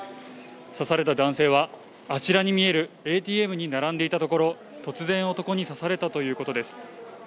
刺された男性は、あちらに見えるＡＴＭに並んでいたところ、突然、男に刺されたということです。